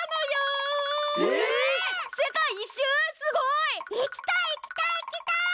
すごい！行きたい行きたい行きたい。